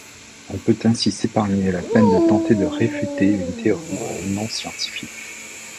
On peut ainsi s'épargner la peine de tenter de réfuter une théorie non scientifique.